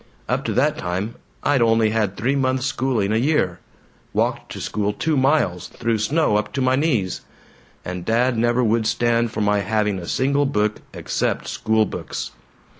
Up to that time I'd only had three months' schooling a year walked to school two miles, through snow up to my knees and Dad never would stand for my having a single book except schoolbooks.